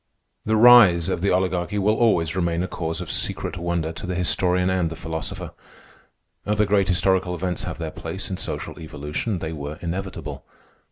The rise of the Oligarchy will always remain a cause of secret wonder to the historian and the philosopher. Other great historical events have their place in social evolution. They were inevitable.